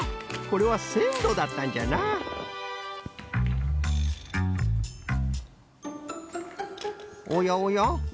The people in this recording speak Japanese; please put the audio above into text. これはせんろだったんじゃなおやおや？